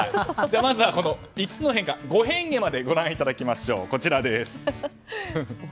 まずは５変化までご覧いただきましょう。